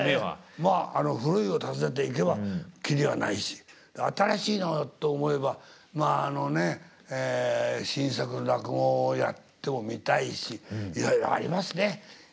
まあ古いを訪ねていけばきりがないし新しいのをと思えばまああのね新作落語をやってもみたいしいろいろありますね。